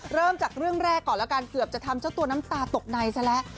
เริ่มจากเรื่องแรกก่อนแล้วกันเกือบจะทำเจ้าตัวน้ำตาตกในซะแล้ว